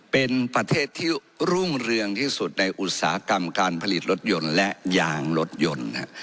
เป็นประเทศที่รุ่งเรืองที่สุดในอุตสาหกรรมการผลิตรถยนต์และยางรถยนต์